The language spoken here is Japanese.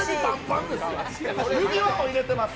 指輪も入れてます。